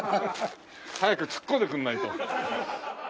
早くツッコんでくれないと。